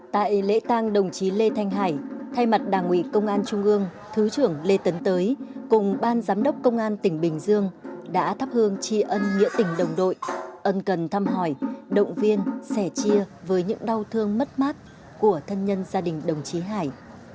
tại lễ tang đồng chí lê thanh hải thay mặt đảng ủy công an trung ương thứ trưởng lê tấn tới cùng ban giám đốc công an tỉnh bình dương đã thắp hương tri ân nghĩa tỉnh đồng đội ân cần thăm hỏi động viên sẻ chia với những đau thương mất mát của thân nhân gia đình đồng chí hải